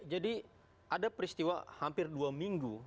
jadi ada peristiwa hampir dua minggu